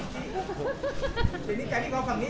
สวัสดีครับ